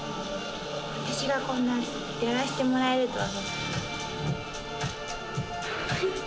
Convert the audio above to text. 私がこんなやらしてもらえるとは。